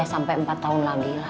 hmm tiga empat tahun lagi lah